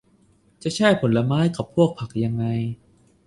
จะแช่แข็งผลไม้กับพวกผักยังไง